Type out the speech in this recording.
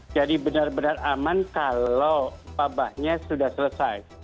jadi benar benar aman kalau pabahnya sudah selesai